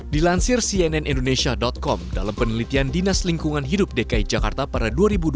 dilansir cnn indonesia com dalam penelitian dinas lingkungan hidup dki jakarta pada dua ribu dua puluh